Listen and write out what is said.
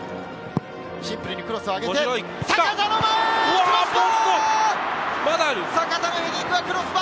シンプルにクロスを上げて、クロスバー！